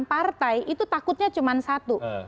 partai itu takutnya cuma satu